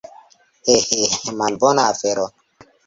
He, he, malbona afero!